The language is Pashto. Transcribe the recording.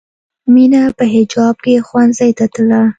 مینه په حجاب کې ښوونځي ته تله